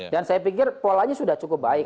dan saya pikir polanya sudah cukup baik